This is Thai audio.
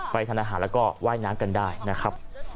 ทานอาหารแล้วก็ว่ายน้ำกันได้นะครับ